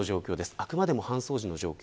あくまでも搬送時の状況。